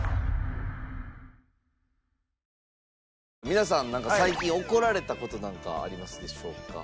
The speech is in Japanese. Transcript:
皆さん最近怒られた事なんかありますでしょうか？